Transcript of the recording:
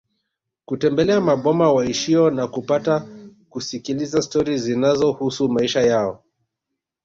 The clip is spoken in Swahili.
Kutembelea maboma waishio na kupata kusikiliza stori zinazohusu maisha yao